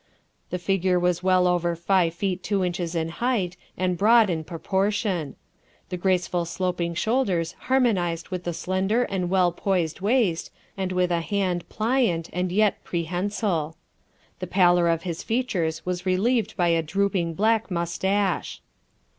The figure was well over five feet two inches in height and broad in proportion. The graceful sloping shoulders harmonized with the slender and well poised waist, and with a hand pliant and yet prehensile. The pallor of the features was relieved by a drooping black moustache.